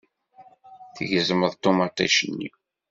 Tgezmeḍ ṭumaṭic-nni.